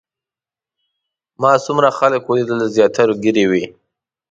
ما څومره خلک ولیدل د زیاترو ږیرې وې.